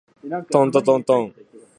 とんとんとんとん